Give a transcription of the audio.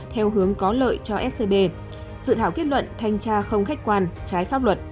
theo hướng có lợi cho scb dự thảo kết luận thanh tra không khách quan trái pháp luật